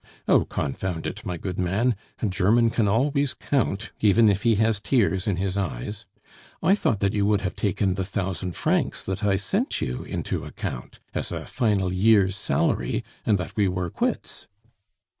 "Oh, confound it, my good man, a German can always count, even if he has tears in his eyes.... I thought that you would have taken the thousand francs that I sent you into account, as a final year's salary, and that we were quits."